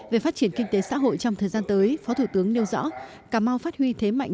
về phát triển kinh tế xã hội trong thời gian tới phó thủ tướng nêu rõ cà mau phát huy thế mạnh